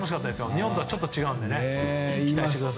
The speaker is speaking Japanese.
日本とちょっと違うので期待してください。